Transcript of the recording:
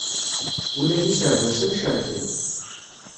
Ula d iserdasen cerken.